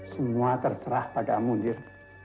semua terserah pada amun dir